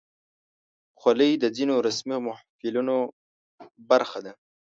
خولۍ د ځینو رسمي محفلونو برخه ده.